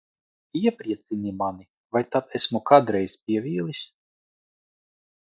Iepriecini mani Vai tad esmu kādreiz pievīlis?